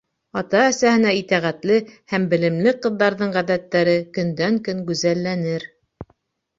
Ата-әсәһенә итәғәтле һәм белемле ҡыҙҙарҙың ғәҙәттәре көндән-көн гүзәлләнер.